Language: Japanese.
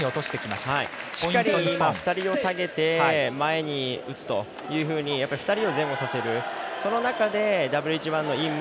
しっかり下げて前に打つというふうに２人を前後させるその中でＷＨ１の尹夢